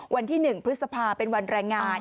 วันที่๑พฤษภาเป็นวันแรงงาน